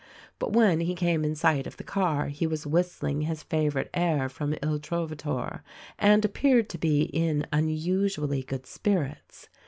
But when he came in sight of the car he was whistling his favorite air from "II Trovatore" and appeared to be in unusually good spirits.